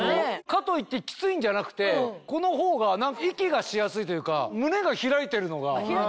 かといってキツイんじゃなくてこの方が息がしやすいというか胸が開いてるのが。